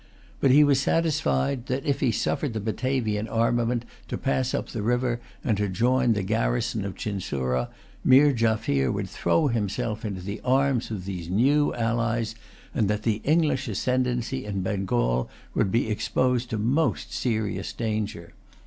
But he was satisfied that, if he suffered the Batavian armament to pass up the river and to join the garrison of Chinsurah, Meer Jaffier would throw himself into the arms of these new allies, and that the English ascendency in Bengal would be exposed to most serious danger.